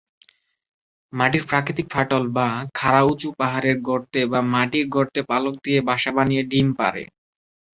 মাটির প্রাকৃতিক ফাটল বা খাড়া উঁচু পাহাড়ের গর্তে বা মাটির গর্তে পালক দিয়ে বাসা বানিয়ে ডিম পাড়ে।